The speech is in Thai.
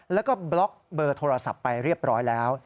แล้วก็บล็อกเบอร์โทรศัพท์ไปเรียบร้อยแล้ว